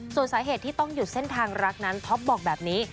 ส่วนสาเหตุที่ต้องหยุดเส้นทางรักนั้นท็อปบอกแบบนี้